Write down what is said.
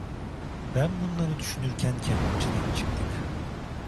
Ben bunları düşünürken kebapçıdan çıktık.